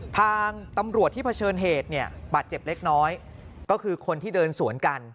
ทางตำรวจที่เผชิญเหตุเนี่ยบาดเจ็บเล็กน้อยก็คือคนที่เดินสวนกัน